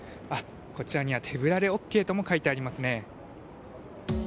こちらには手ぶらでＯＫとも書いてありますね。